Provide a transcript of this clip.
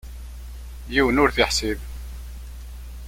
Yiwen ur t-iḥsib.